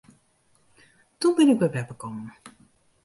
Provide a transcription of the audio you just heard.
Doe bin ik by beppe kommen.